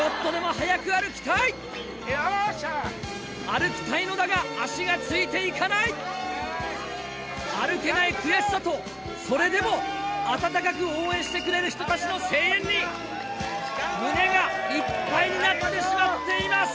歩きたいのだが足がついていかない！歩けない悔しさとそれでも温かく応援してくれる人たちの声援に胸がいっぱいになってしまっています！